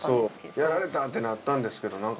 やられた！ってなったんですけどなんか。